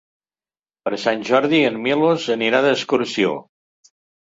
Per Sant Jordi en Milos anirà d'excursió.